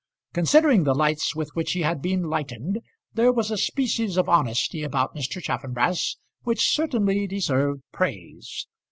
Considering the lights with which he had been lightened, there was a species of honesty about Mr. Chaffanbrass which certainly deserved praise.